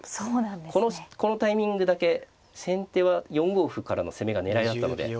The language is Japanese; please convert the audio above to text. このタイミングだけ先手は４五歩からの攻めが狙いだったので。